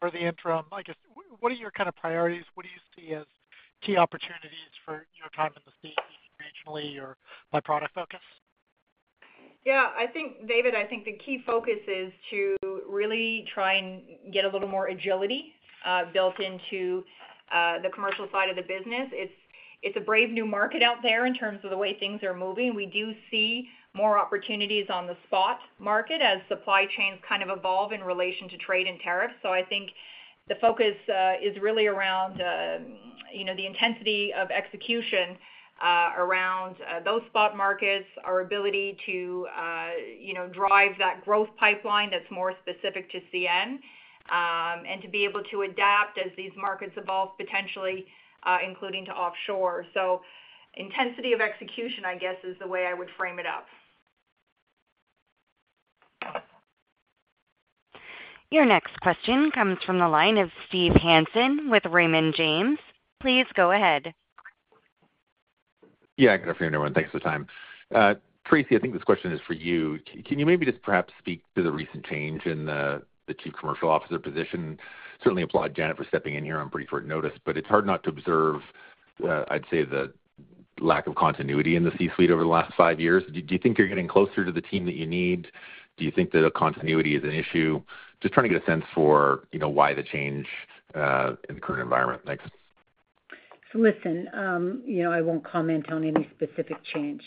for the interim, I guess, what are your kind of priorities? What do you see as key opportunities for your time in the seat regionally or by product focus? Yeah. I think, David, I think the key focus is to really try and get a little more agility built into the commercial side of the business. It's a brave new market out there in terms of the way things are moving. We do see more opportunities on the spot market as supply chains kind of evolve in relation to trade and tariffs. I think the focus is really around the intensity of execution around those spot markets, our ability to drive that growth pipeline that's more specific to CN, and to be able to adapt as these markets evolve potentially, including to offshore. Intensity of execution, I guess, is the way I would frame it up. Your next question comes from the line of Steve Hansen with Raymond James. Please go ahead. Yeah. Good afternoon, everyone. Thanks for the time. Tracy, I think this question is for you. Can you maybe just perhaps speak to the recent change in the Chief Commercial Officer position? Certainly applaud Janet for stepping in here on briefer notice, but it's hard not to observe, I'd say, the lack of continuity in the C-suite over the last five years. Do you think you're getting closer to the team that you need? Do you think that continuity is an issue? Just trying to get a sense for why the change. In the current environment. Thanks. Listen, I won't comment on any specific change.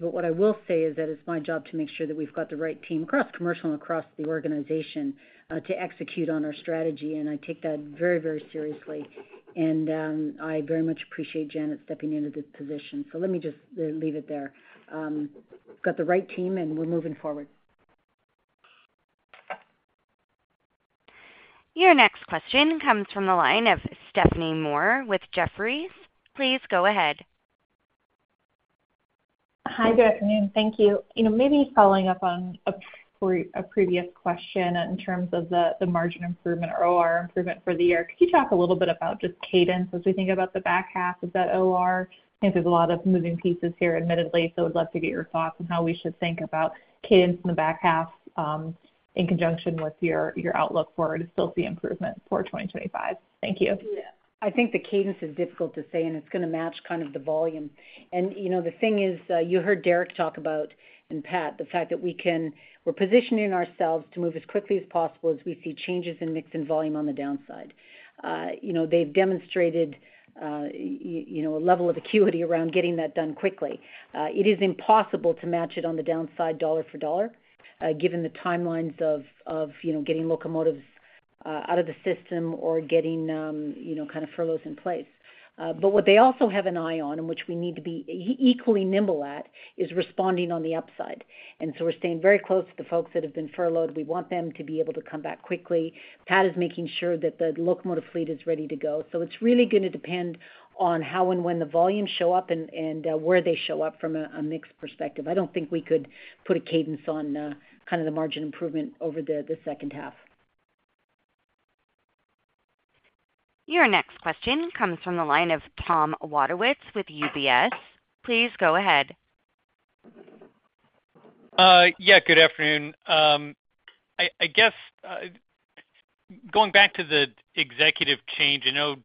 What I will say is that it's my job to make sure that we've got the right team across commercial and across the organization to execute on our strategy. I take that very, very seriously. I very much appreciate Janet stepping into this position. Let me just leave it there. We've got the right team, and we're moving forward. Your next question comes from the line of Stephanie Moore with Jefferies. Please go ahead. Hi, good afternoon. Thank you. Maybe following up on a previous question in terms of the margin improvement or OR improvement for the year, could you talk a little bit about just cadence as we think about the back half of that OR? I think there's a lot of moving pieces here, admittedly, so I would love to get your thoughts on how we should think about cadence in the back half. In conjunction with your outlook for it to still see improvement for 2025. Thank you. Yeah. I think the cadence is difficult to say, and it's going to match kind of the volume. The thing is, you heard Derek talk about, and Pat, the fact that we're positioning ourselves to move as quickly as possible as we see changes in mix and volume on the downside. They've demonstrated a level of acuity around getting that done quickly. It is impossible to match it on the downside dollar for dollar, given the timelines of getting locomotives out of the system or getting kind of furloughs in place. What they also have an eye on, and which we need to be equally nimble at, is responding on the upside. We are staying very close to the folks that have been furloughed. We want them to be able to come back quickly. Pat is making sure that the locomotive fleet is ready to go. It is really going to depend on how and when the volumes show up and where they show up from a mix perspective. I do not think we could put a cadence on kind of the margin improvement over the second half. Your next question comes from the line of Tom Wadewitz with UBS. Please go ahead. Yeah. Good afternoon. I guess going back to the executive change, I know,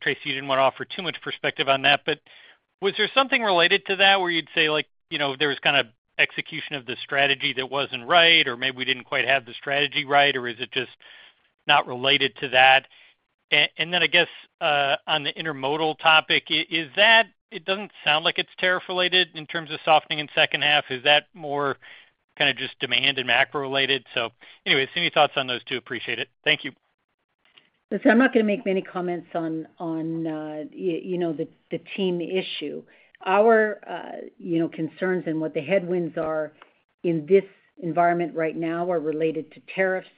Tracy, you did not want to offer too much perspective on that, but was there something related to that where you would say there was kind of execution of the strategy that was not right, or maybe we did not quite have the strategy right, or is it just not related to that? I guess on the intermodal topic, it does not sound like it is tariff-related in terms of softening in the second half. Is that more kind of just demand and macro-related? Anyway, send me thoughts on those two. Appreciate it. Thank you. Listen, I'm not going to make many comments on the team issue. Our concerns and what the headwinds are in this environment right now are related to tariffs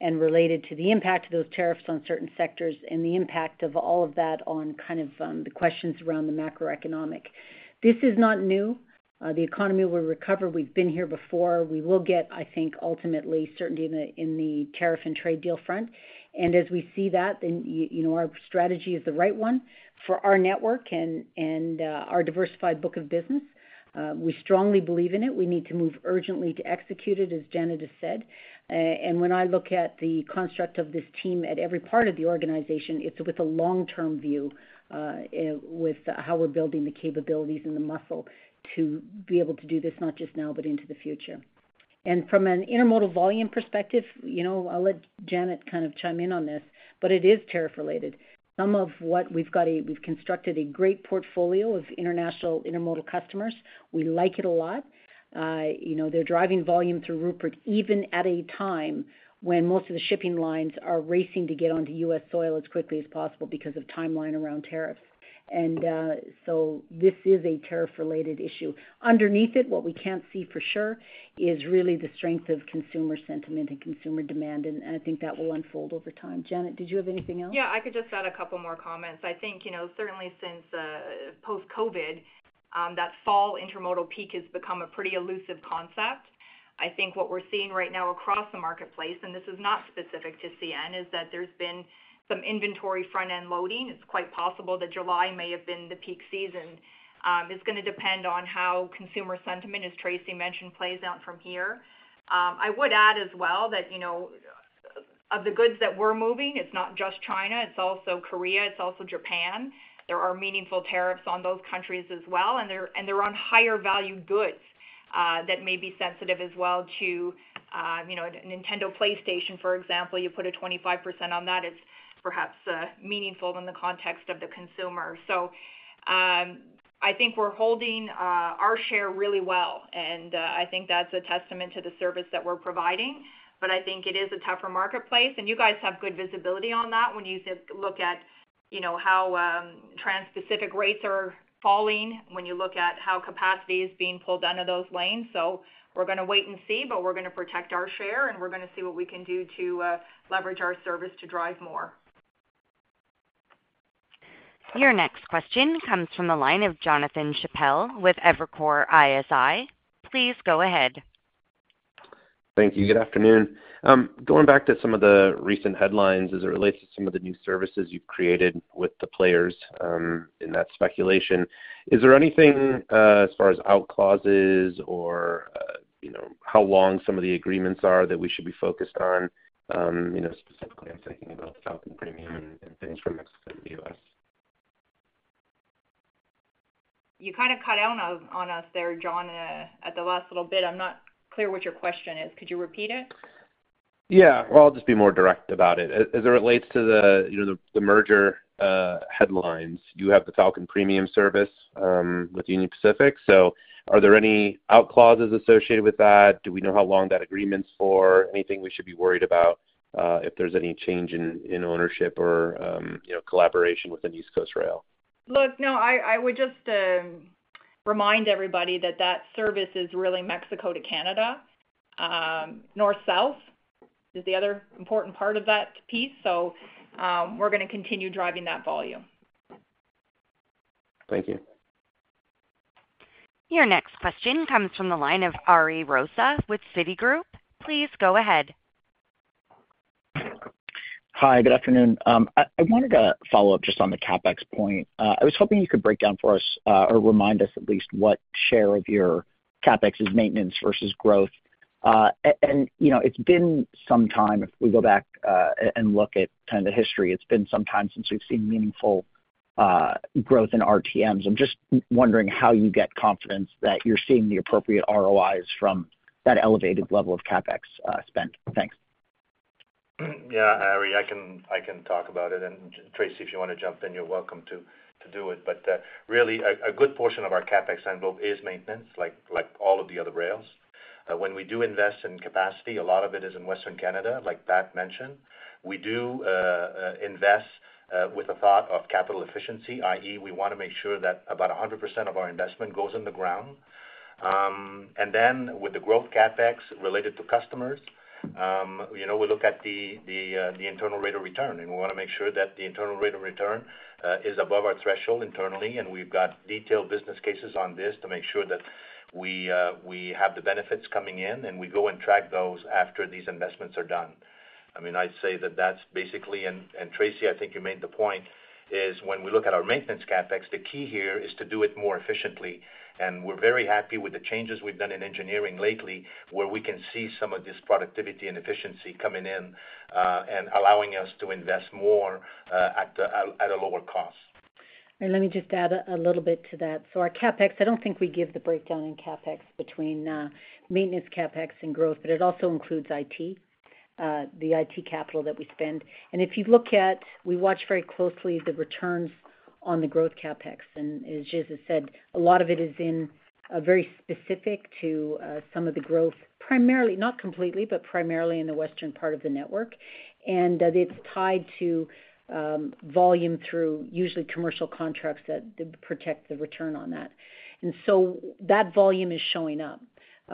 and related to the impact of those tariffs on certain sectors and the impact of all of that on kind of the questions around the macroeconomic. This is not new. The economy will recover. We've been here before. We will get, I think, ultimately certainty in the tariff and trade deal front. As we see that, then our strategy is the right one for our network and our diversified book of business. We strongly believe in it. We need to move urgently to execute it, as Janet has said. When I look at the construct of this team at every part of the organization, it's with a long-term view, with how we're building the capabilities and the muscle to be able to do this, not just now, but into the future. From an intermodal volume perspective, I'll let Janet kind of chime in on this, but it is tariff-related. Some of what we've got, we've constructed a great portfolio of international intermodal customers. We like it a lot. They're driving volume through Rupert even at a time when most of the shipping lines are racing to get onto US soil as quickly as possible because of timeline around tariffs. This is a tariff-related issue. Underneath it, what we can't see for sure is really the strength of consumer sentiment and consumer demand. I think that will unfold over time. Janet, did you have anything else? Yeah. I could just add a couple more comments. I think certainly since post-COVID, that fall intermodal peak has become a pretty elusive concept. I think what we're seeing right now across the marketplace, and this is not specific to CN, is that there's been some inventory front-end loading. It's quite possible that July may have been the peak season. It's going to depend on how consumer sentiment, as Tracy mentioned, plays out from here. I would add as well that of the goods that we're moving, it's not just China. It's also Korea. It's also Japan. There are meaningful tariffs on those countries as well. And they're on higher-value goods that may be sensitive as well to a Nintendo PlayStation, for example. You put a 25% on that. It's perhaps meaningful in the context of the consumer. I think we're holding our share really well. I think that's a testament to the service that we're providing. I think it is a tougher marketplace. You guys have good visibility on that when you look at how trans-Pacific rates are falling, when you look at how capacity is being pulled out of those lanes. We're going to wait and see, but we're going to protect our share, and we're going to see what we can do to leverage our service to drive more. Your next question comes from the line of Jonathan Chappell with Evercore ISI. Please go ahead. Thank you. Good afternoon. Going back to some of the recent headlines as it relates to some of the new services you've created with the players. In that speculation, is there anything as far as out clauses or how long some of the agreements are that we should be focused on? Specifically, I'm thinking about Falcon Premium and things from Mexico to the U.S. You kind of cut out on us there, Jon, at the last little bit. I'm not clear what your question is. Could you repeat it? Yeah. I'll just be more direct about it. As it relates to the merger headlines, you have the Falcon Premium service with Union Pacific. Are there any out clauses associated with that? Do we know how long that agreement's for? Anything we should be worried about if there's any change in ownership or collaboration within East Coast Rail? Look, no, I would just remind everybody that that service is really Mexico to Canada. North-south is the other important part of that piece. We are going to continue driving that volume. Thank you. Your next question comes from the line of Ariel Luis Rosa with Citigroup. Please go ahead. Hi, good afternoon. I wanted to follow up just on the CapEx point. I was hoping you could break down for us or remind us at least what share of your CapEx is maintenance versus growth. It's been some time if we go back and look at kind of the history. It's been some time since we've seen meaningful growth in RTMs. I'm just wondering how you get confidence that you're seeing the appropriate ROIs from that elevated level of CapEx spent. Thanks. Yeah, Ari, I can talk about it. Tracy, if you want to jump in, you're welcome to do it. Really, a good portion of our CapEx envelope is maintenance, like all of the other rails. When we do invest in capacity, a lot of it is in Western Canada, like Pat mentioned. We do invest with a thought of capital efficiency, i.e., we want to make sure that about 100% of our investment goes in the ground. With the growth CapEx related to customers, we look at the internal rate of return, and we want to make sure that the internal rate of return is above our threshold internally. We have detailed business cases on this to make sure that we have the benefits coming in, and we go and track those after these investments are done. I mean, I'd say that that's basically—Tracy, I think you made the point—is when we look at our maintenance CapEx, the key here is to do it more efficiently. We're very happy with the changes we've done in engineering lately where we can see some of this productivity and efficiency coming in and allowing us to invest more at a lower cost. Let me just add a little bit to that. Our CapEx, I do not think we give the breakdown in CapEx between maintenance CapEx and growth, but it also includes IT. The IT capital that we spend. If you look at—we watch very closely the returns on the growth CapEx. As Ghislain said, a lot of it is very specific to some of the growth, primarily—not completely, but primarily—in the western part of the network. It is tied to volume through usually commercial contracts that protect the return on that. That volume is showing up.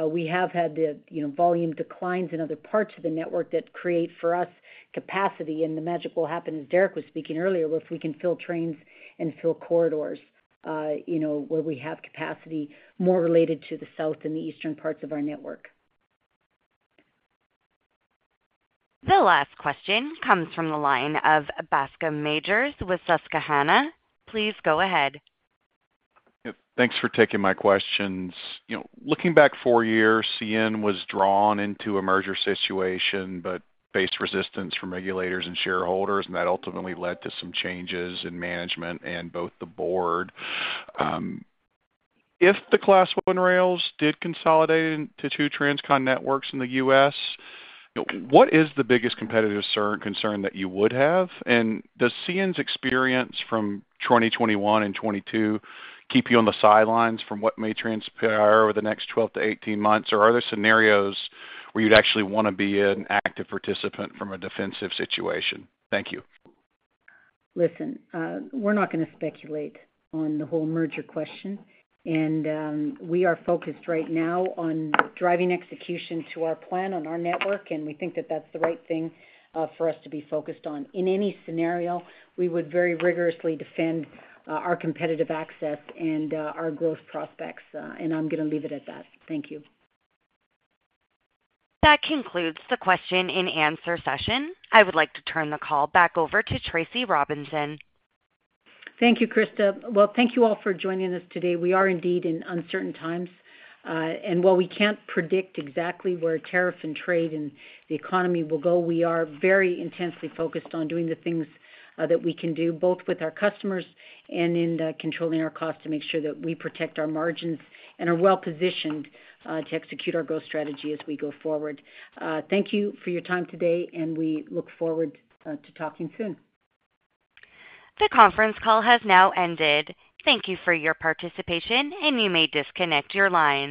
We have had the volume declines in other parts of the network that create for us capacity. The magic will happen, as Derek was speaking earlier, if we can fill trains and fill corridors where we have capacity more related to the south and the eastern parts of our network. The last question comes from the line of Bascome Majors with Susquehanna. Please go ahead. Thanks for taking my questions. Looking back four years, CN was drawn into a merger situation, but faced resistance from regulators and shareholders. That ultimately led to some changes in management and both the board. If the Class 1 rails did consolidate into two Transcon networks in the U.S., what is the biggest competitive concern that you would have? Does CN's experience from 2021 and 2022 keep you on the sidelines from what may transpire over the next 12 to 18 months? Are there scenarios where you'd actually want to be an active participant from a defensive situation? Thank you. Listen, we're not going to speculate on the whole merger question. We are focused right now on driving execution to our plan on our network. We think that that's the right thing for us to be focused on. In any scenario, we would very rigorously defend our competitive access and our growth prospects. I'm going to leave it at that. Thank you. That concludes the question and answer session. I would like to turn the call back over to Tracy Robinson. Thank you, Krista. Thank you all for joining us today. We are indeed in uncertain times. While we can't predict exactly where tariff and trade and the economy will go, we are very intensely focused on doing the things that we can do both with our customers and in controlling our costs to make sure that we protect our margins and are well positioned to execute our growth strategy as we go forward. Thank you for your time today. We look forward to talking soon. The conference call has now ended. Thank you for your participation, and you may disconnect your lines.